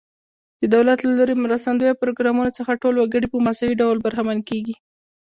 د دولت له لوري مرستندویه پروګرامونو څخه ټول وګړي په مساوي ډول برخمن کیږي.